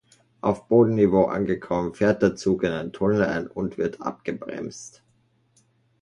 Auf Bodenniveau angekommen fährt der Zug in einen Tunnel ein und wird abgebremst.